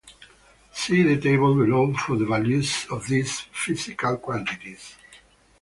See the table below for the values of these physical quantities.